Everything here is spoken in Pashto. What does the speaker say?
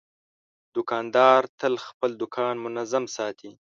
دوکاندار تل خپل دوکان منظم ساتي.